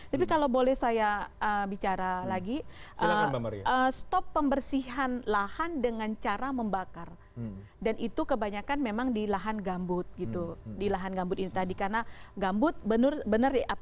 tapi kalau boleh saya bicara lagi